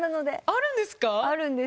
あるんです。